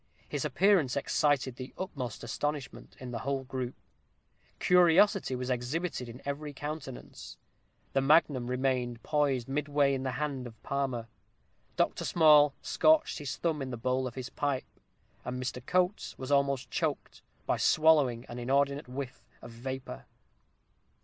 His appearance excited the utmost astonishment in the whole group: curiosity was exhibited in every countenance the magnum remained poised midway in the hand of Palmer Dr. Small scorched his thumb in the bowl of his pipe; and Mr. Coates was almost choked, by swallowing an inordinate whiff of vapor.